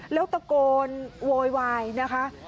แล้วตะโกนโวยวายนะคะ